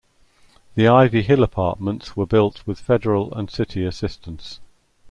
The Ivy Hill Apartments were built with federal and city assistance.